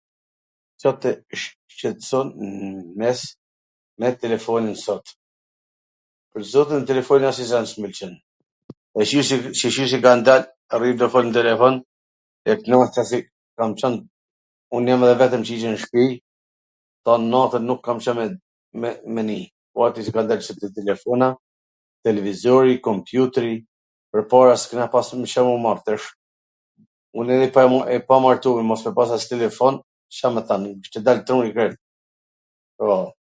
Ca tw shqetson me telefonin sot? Pwr zotin telefonin asnjw gja s mw pwlqen. Shyqyr qw kan dal, rri tu fol n telefon e knaqesh si ... un jam edhe vetwm nw shpi, po natwn nuk kam Ca me nii, tani kan dal telefona, televizori, kompjutri, pwrpara s kena pasme Ca m u marr, tash... un jam edhe i pamartu e mos me pas as telefon, Ca me than, m kishte dal truni krejt, po.